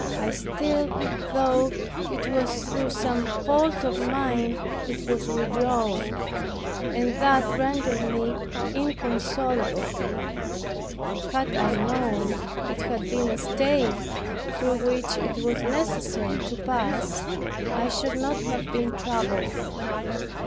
I still thought it was through some fault of mine it was withdrawn, and that rendered me inconsolable. Had I known it had been a state through which it was necessary to pass, I should not have been troubled.